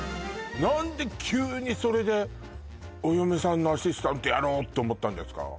何で急にそれでお嫁さんのアシスタントやろうと思ったんですか？